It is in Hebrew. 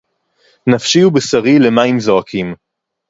נַפְשִׁי וּבְשָׂרִי לְמַיִם זוֹעֲקִים